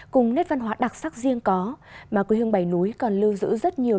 cùng nét văn hóa đặc sắc riêng có mà quê hương bảy núi còn lưu giữ rất nhiều